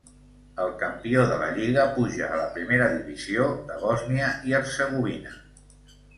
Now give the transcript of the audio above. El campió de la lliga puja a la primera divisió de Bòsnia i Hercegovina.